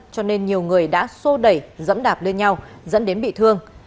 cho nên nhiều người đã sô đẩy dẫm đạp lên nhau dẫn đến bị thương